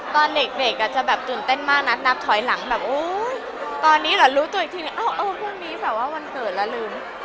ตอนเด็กจะตื่นเต้นมากนับถอยหลังตอนนี้เหรอรู้ตัวอีกทีพรุ่งนี้แสดงวันเกิดแล้วลืม